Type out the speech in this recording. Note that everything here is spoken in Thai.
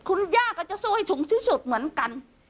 คุณย่าก็จะสู้ให้ถึงที่สุดเหมือนกัน